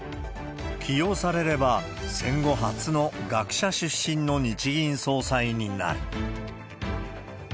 起用されれば、戦後初の学者出身の日銀総裁になる。